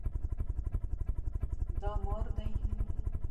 دا مار دی